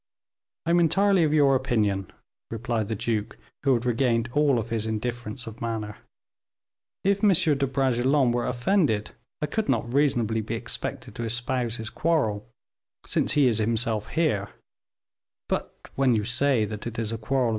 "I am entirely of your opinion," replied the duke, who had regained all his indifference of manner; "if M. de Bragelonne were offended, I could not reasonably be expected to espouse his quarrel, since he is himself here; but when you say that it is a quarrel of M.